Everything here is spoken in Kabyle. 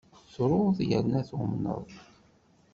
Truḍ yerna tumneḍ.